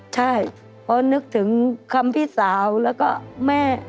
ใช่เพราะนึกถึงคำพี่สาวแล้วก็แม่